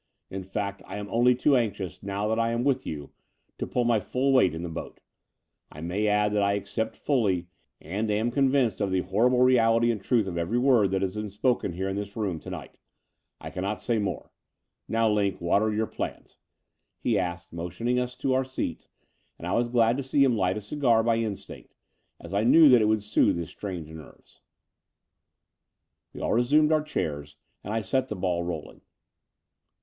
In fact, I am only too anxious, now that I am in with you, to pull my full weight in the boat. I may add that I accept fully, and am convinced of the horrible reality and truth of every word that has been spoken here in this room to night. I cannot say more. Now, Line, what are your plans?" he asked, motioning us to our seats: and I was glad to see him light a cigar by instinct, as I knew that it would soothe his strained nerves. We all resumed our chairs: and I set the ball rolling.